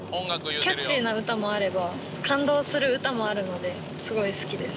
キャッチーな歌もあれば、感動する歌もあるので、すごい好きです。